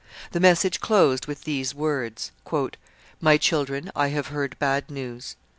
The message closed with these words: My children, I have heard bad news.